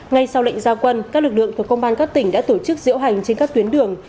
ngay sau lệnh gia quân các lực lượng thuộc công an các tỉnh đã tổ chức diễu hành trên các tuyến đường